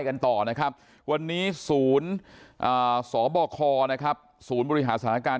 กันต่อนะครับวันนี้ศูนย์สบคนะครับศูนย์บริหารสถานการณ์